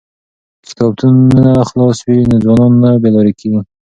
که کتابتونونه خلاص وي نو ځوانان نه بې لارې کیږي.